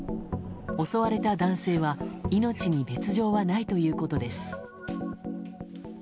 襲われた男性は命に別状はないということです。